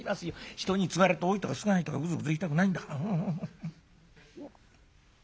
人につがれて多いとか少ないとかグズグズ言いたくないんだから」。